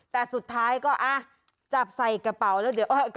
แต่สุดท้ายก็จับใส่กระเป๋าแล้วเดี๋ยว